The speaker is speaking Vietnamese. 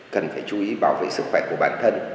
cần phải chú ý bảo vệ sức khỏe của bản thân